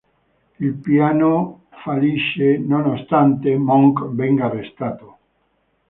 Il piano fallisce, nonostante Monk venga arrestato.